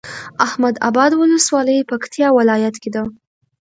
احمداباد ولسوالي پکتيا ولايت کي ده